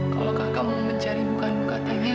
kalau kakak mau mencari bukannya katanya